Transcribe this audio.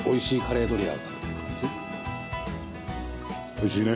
「おいしいね」